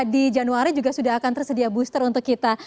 di januari juga sudah akan tersedia booster untuk kita